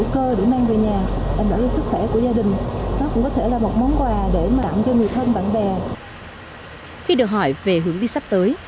khi được hỏi về hướng đi sắp tới